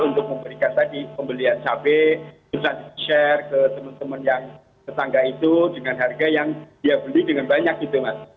untuk memberikan tadi pembelian cabai bisa di share ke teman teman yang tetangga itu dengan harga yang dia beli dengan banyak gitu mas